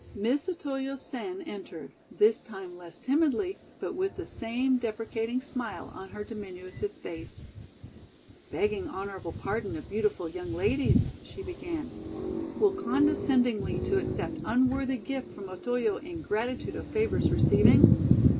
Miss Otoyo Sen entered, this time less timidly, but with the same deprecating smile on her diminutive face. "Begging honorable pardon of beautiful young ladies," she began, "will condescendingly to accept unworthy gift from Otoyo in gratitude of favors receiving?"